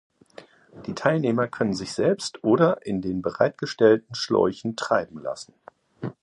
Die Teilnehmer können sich selbst oder in den bereitgestellten Schläuchen treiben lassen.